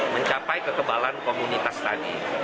mencapai kegebalan komunitas tadi